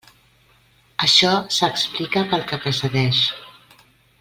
Això s'explica pel que precedeix.